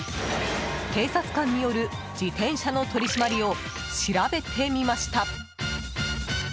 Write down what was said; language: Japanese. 警察官による自転車の取り締まりを調べてみました。